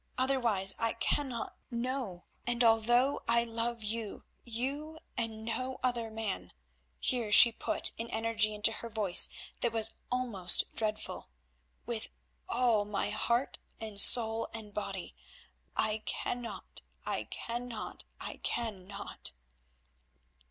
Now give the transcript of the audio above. Otherwise I cannot, no, and although I love you, you and no other man"—here she put an energy into her voice that was almost dreadful—"with all my heart and soul and body; I cannot, I cannot, I cannot!"